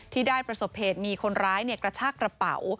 ที่ได้ประสบเหตุมีคนร้ายกระชากระเป๋า